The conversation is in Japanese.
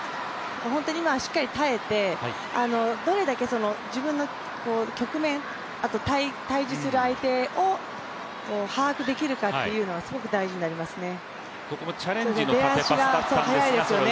今はしっかり耐えてどれだけ自分の局面、あと対峙する相手を把握できるかというのはすごく大事になりますね。